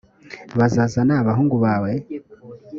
bazazana abahungu bawe